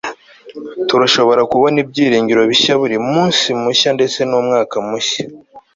turashobora kubona ibyiringiro bishya buri munsi mushya ndetse n'umwaka mushya